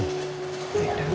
terima kasih dok